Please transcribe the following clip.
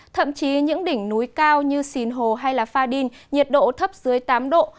thậm chí những đỉnh núi cao như sìn hồ hay pha đin nhiệt độ thấp dưới tám độ